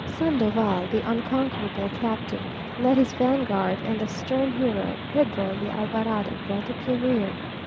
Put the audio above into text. Sandoval, the unconquerable captain, led his vanguard; and the stern hero, Pedro de Alvarado, brought up the rear.